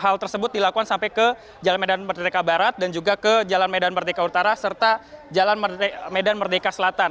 hal tersebut dilakukan sampai ke jalan medan merdeka barat dan juga ke jalan medan merdeka utara serta jalan medan merdeka selatan